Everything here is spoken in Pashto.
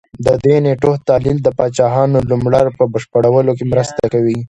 د دې نېټو تحلیل د پاچاهانو نوملړ په بشپړولو کې مرسته کوي